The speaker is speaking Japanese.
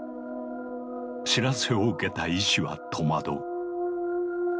知らせを受けた医師は戸惑う。